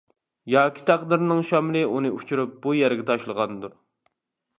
ياكى تەقدىرنىڭ شامىلى ئۇنى ئۇچۇرۇپ بۇ يەرگە تاشلىغاندۇر.